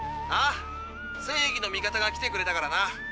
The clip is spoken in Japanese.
ああ正義の味方が来てくれたからな。